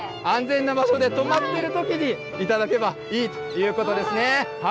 安全な場所で止まってるときに頂けばいいということですね。